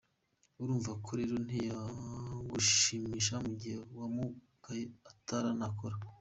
Urumva ko rero ntiyagushimisha mugihe wamugaye ataranakora.